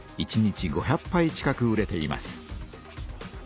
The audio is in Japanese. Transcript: １日５００ぱい近く売れています。